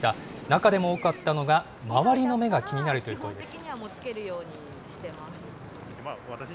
中でも多かったのが、周りの目が気になるという声です。